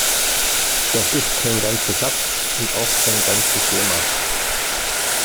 Das ist kein ganzer Satz und auch kein ganzes Lemma.